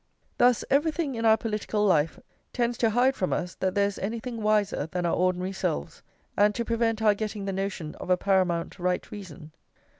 Thus everything in our political life tends to hide from us that there is anything wiser than our ordinary selves, and to prevent our getting the notion of a paramount right reason.